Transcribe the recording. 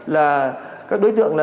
là các đối tượng